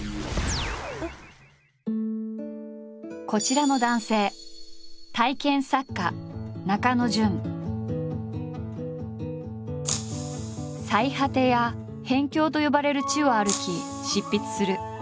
こちらの男性「サイハテ」や「辺境」と呼ばれる地を歩き執筆する。